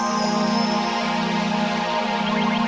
terima kasih pak ustadz